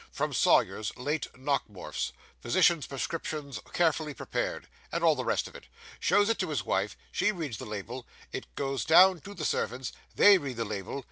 From Sawyer's, late Nockemorf's. Physicians' prescriptions carefully prepared," and all the rest of it. Shows it to his wife she reads the label; it goes down to the servants they read the label.